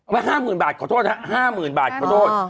ว่าห้าหมื่นบาทขอโทษนะห้าหมื่นบาทขอโทษอ๋อ